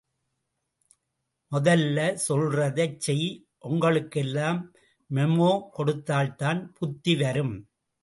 மொதல்ல சொல்றதைச் செய்... ஒங்களுக்கெல்லாம் மெமோ கொடுத்தால்தான் புத்தி வரும்.